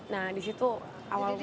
nah di situ awal umumnya